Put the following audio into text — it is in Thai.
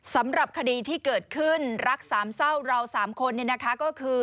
สำหรับคดีที่เกิดขึ้นรักสามเศร้าเราสามคนก็คือ